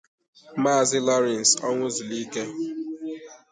Maazị Lawrence Onuzulike